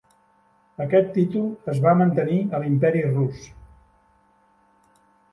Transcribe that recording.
Aquest títol es va mantenir a l'Imperi Rus.